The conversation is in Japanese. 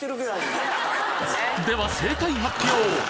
では正解発表